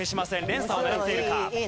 連鎖を狙っているか？